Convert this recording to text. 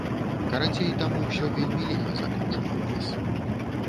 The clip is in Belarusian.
Карацей, там усё вельмі ліха закручана ў нас!